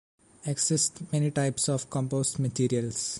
Exist many types of compost materials